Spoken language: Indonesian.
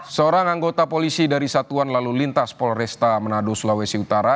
seorang anggota polisi dari satuan lalu lintas polresta manado sulawesi utara